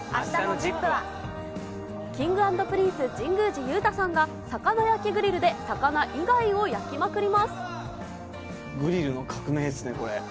Ｋｉｎｇ＆Ｐｒｉｎｃｅ・神宮寺勇太さんが、魚焼きグリルで、グリルの革命ですね。